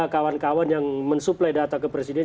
kawan kawan yang mensuplai data ke presiden